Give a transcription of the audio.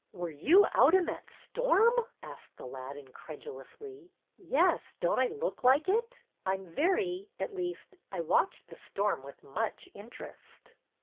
" Were you out in that storm? " asked the lad, incredulously. "Yes. Don't I look like it? I'm very — at least, I watched the storm with much interest."